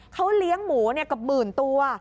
เขาเลี้ยงหมูเกือบหมื่นตัว